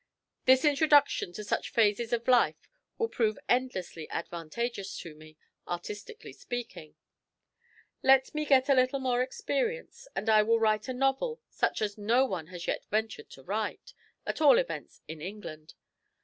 This introduction to such phases of life will prove endlessly advantageous to me, artistically speaking. Let me get a little more experience, and I will write a novel such as no one has yet ventured to write, at all events in England.